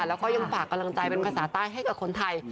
แล้วก็ยังฝากกำลังใจเป็นภาษาใต้ให้กับคนไทย